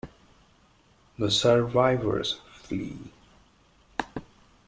The survivors flee.